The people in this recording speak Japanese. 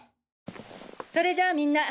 それじゃあみんな！